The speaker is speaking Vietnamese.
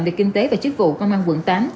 về kinh tế và chức vụ công an quận tám